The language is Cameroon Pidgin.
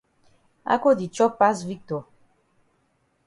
Ako di chop pass Victor.